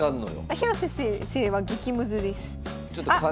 広瀬先生は激ムズです。